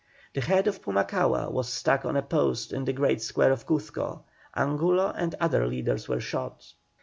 The head of Pumacahua was stuck on a post in the great square of Cuzco. Angulo and other leaders were shot.